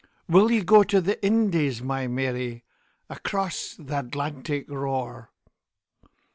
Will ye go to the Indies, my Mary, Across th' Atlantic roar?